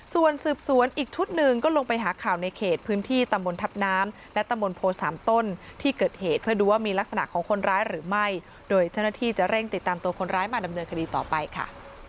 ส่วนสืบสวนอีกชุดหนึ่งก็ลงไปหาข่าวในเขตพื้นที่ตำบลทัพน้ำและตำบลโพสามต้นที่เกิดเหตุเพื่อดูว่ามีลักษณะของคนร้ายหรือไม่โดยเจ้าหน้าที่จะเร่งติดตามตัวคนร้ายมาดำเนินคดีต่อไปค่ะ